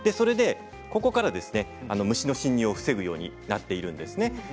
ここから虫の侵入を防ぐようになっています。